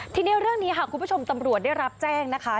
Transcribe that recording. ทีนี้เรื่องนี้ค่ะคุณผู้ชมตำรวจได้รับแจ้งนะคะ